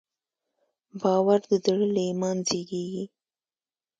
باور د زړه له ایمان زېږېږي.